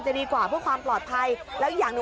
จะดีกว่าเพื่อความปลอดภัย